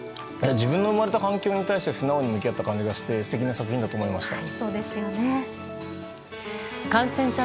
自分の生まれた環境に対して素直に向き合った感じがして素敵な作品だと思いました。